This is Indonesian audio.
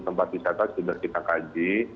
tempat wisata sudah kita kaji